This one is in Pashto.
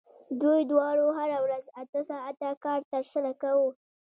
دوی دواړو هره ورځ اته ساعته کار ترسره کاوه